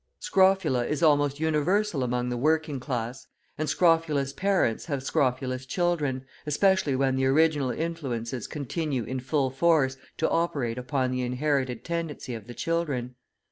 Scrofula is almost universal among the working class, and scrofulous parents have scrofulous children, especially when the original influences continue in full force to operate upon the inherited tendency of the children.